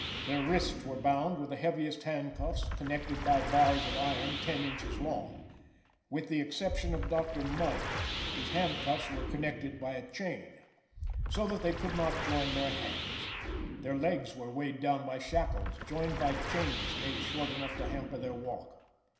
Their wrists were bound with the heaviest hand cuffs, connected by bars of iron ten inches long (with the exception of Dr. Mudd, whose hand cuffs were connected by a chain), so that they could not join their hands. Their legs were weighed down by shackles joined by chains made short enough to hamper their walk.